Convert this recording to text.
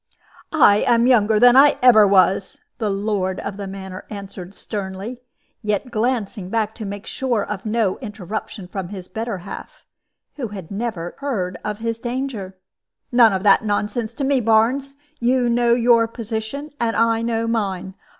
"I am younger than ever I was," the lord of the manor answered, sternly, yet glancing back to make sure of no interruption from his better half who had not even heard of his danger. "None of that nonsense to me, Barnes. You know your position, and I know mine.